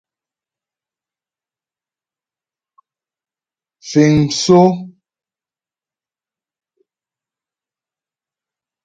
Fíŋ msó.